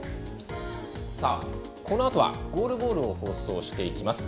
このあとはゴールボールを放送します。